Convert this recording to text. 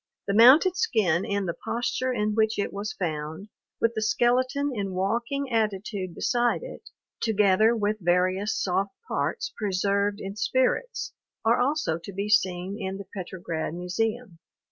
The mounted skin in the posture in which it was found, with the skeleton in walking attitude beside it, together with various soft parts preserved in spirits, are also to be seen in the Petrograd Museum.